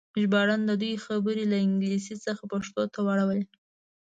ژباړن د دوی خبرې له انګلیسي څخه پښتو ته واړولې.